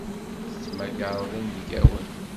Tettmagareḍ inebgawen.